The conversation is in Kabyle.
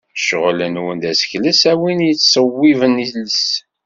Ccɣel-nwen d asekles, a wid yettṣewwiben iles.